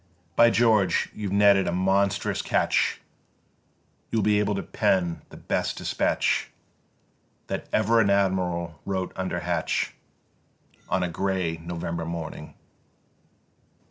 By George! you've netted a monstrous catch: You'll be able to pen the best dispatch That ever an Admiral wrote under hatch On a grey November morning.